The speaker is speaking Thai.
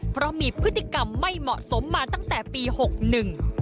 เพราะมีพฤติกรรมไม่เหมาะสมมาตั้งแต่ปีหกหนึ่ง